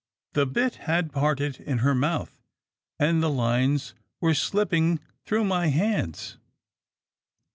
The bit had parted in her mouth, and the lines were slipping through my hands.